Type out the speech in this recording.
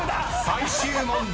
［最終問題］